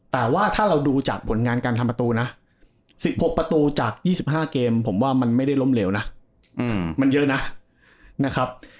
แต่ว่าถ้าเราดูจากผลงานการทำประตูนะ๑๖ประตูจาก๒๕เกมผมว่ามันไม่ได้ล้มเหลวนะมันเยอะนะนะครับ